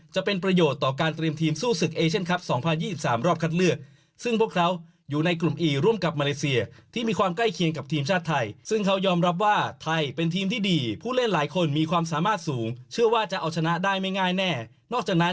จะเป็นประโยชน์ต่อการเตรียมทีมสู้สึกเอเชนคลับ๒๐๒๓รอบคำเลือก